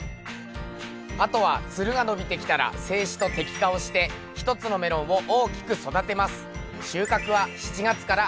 あとはツルが伸びてきたら整枝と摘果をして１つのメロンを大きく育てます。